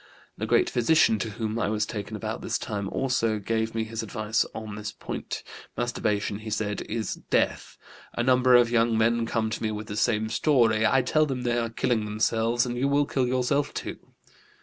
The great physician, to whom I was taken about this time, also gave me his advice on this point. 'Masturbation,' he said, 'is death. A number of young men come to me with the same story. I tell them they are killing themselves, and you will kill yourself, too.'